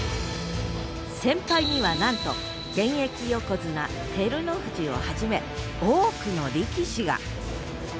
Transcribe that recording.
先輩にはなんと現役横綱照ノ富士をはじめ多くの力士が！